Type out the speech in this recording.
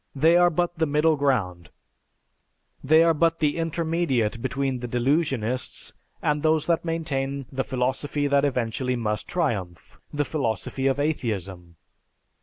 They are but the middle ground; they are but the intermediate between the delusionists and those that maintain the philosophy that eventually must triumph, the philosophy of atheism.